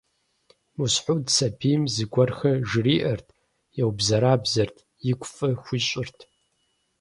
Мысхьуд сабийм зыгуэрхэр жыриӀэрт, еубзэрабзэрт, игу фӀы хуищӀырт.